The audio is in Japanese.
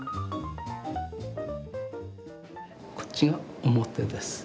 こっちが表です。